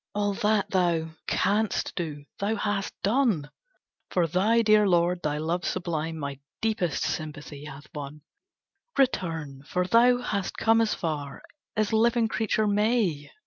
All that thou canst do, thou hast done For thy dear lord. Thy love sublime My deepest sympathy hath won. Return, for thou hast come as far As living creature may.